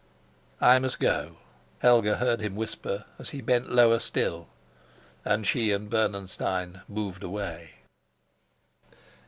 "I must go," Helga heard him whisper as he bent lower still, and she and Bernenstein moved away.